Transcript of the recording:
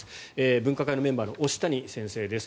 分科会メンバーの押谷先生です。